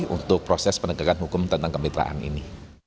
untuk proses penegakan hukum tentang kemitraan ini